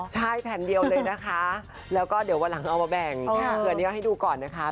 ใช่แผ่นเดียวเลยนะคะแล้วก็เดี๋ยววันหลังเอามาแบ่งเผื่ออันนี้เอาให้ดูก่อนนะคะ